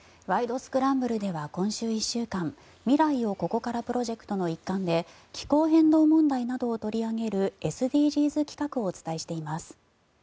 スクランブル」は今週１週間未来をここからプロジェクトの一環で気候変動問題などを取り上げるＳＤＧｓ企画をお伝えしています。